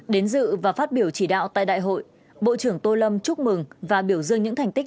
đến dự và phát biểu chỉ đạo tại đại hội bộ trưởng tô lâm chúc mừng và biểu dương những thành tích